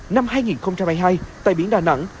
năm hai nghìn hai mươi hai tại biển đà nẵng